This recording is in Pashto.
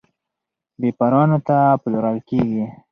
بېپارانو ته پلورل کیږي.